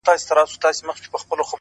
هر يو سړے دې خپل واړۀ پوهه کړي